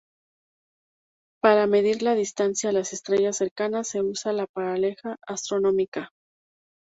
Para medir la distancia a las estrellas cercanas se usa la paralaje astronómica.